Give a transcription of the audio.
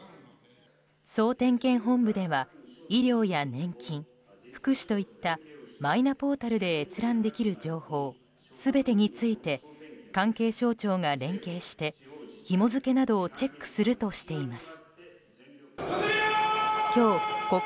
総点検本部では医療や年金福祉といったマイナポータルで閲覧できる情報全てについて関係省庁が連携してひも付けなどをチェックするとしています。